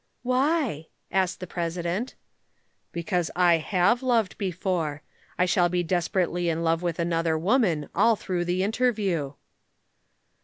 "Why?" asked the President. "Because I have loved before. I shall be desperately in love with another woman all through the interview."